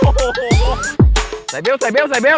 โอ้โฮโฮ